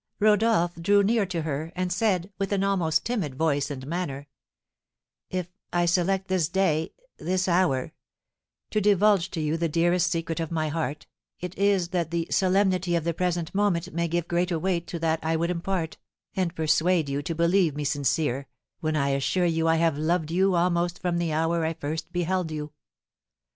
Rodolph drew near to her, and said, with an almost timid voice and manner: "If I select this day this hour to divulge to you the dearest secret of my heart, it is that the solemnity of the present moment may give greater weight to that I would impart, and persuade you to believe me sincere, when I assure you I have loved you almost from the hour I first beheld you.